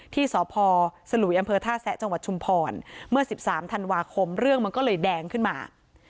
ที่สพสลุยอำเภอท่าแซะจังหวัดชุมพรเมื่อ๑๓ธันวาคมเรื่องมันก็เลยแดงขึ้นมา